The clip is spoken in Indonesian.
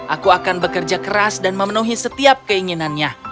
aku akan bekerja keras dan memenuhi setiap keinginannya